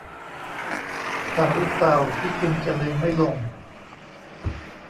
ตะรุเตาที่คุณจะลืมไม่ลง